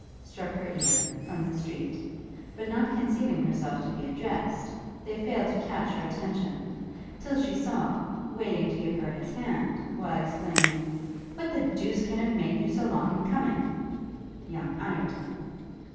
struck her ear, from the street; but not conceiving herself to be addressed, they failed to catch her attention, till she saw, waiting to give her his hand, while exclaiming, 'What the deuce can have made you so long in coming?' young Ireton.